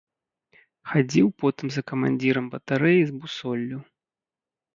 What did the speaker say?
Хадзіў потым за камандзірам батарэі з бусоллю.